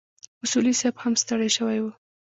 اصولي صیب هم ستړی شوی و.